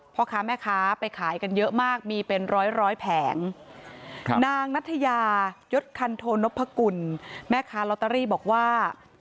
พ่อค้าแม่ค้าไปขายกันเยอะมากมีเป็นร้อยร้อยแผงนางนัทยายศคันโทนพกุลแม่ค้าลอตเตอรี่บอกว่า